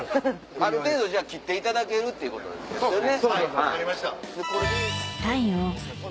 ある程度切っていただけるってことですね。